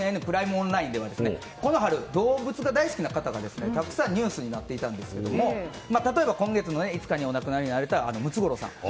オンラインではこの春、動物が大好きな方がたくさんニュースになっていたんですが例えば今月の５日にお亡くなりになられたムツゴロウさん。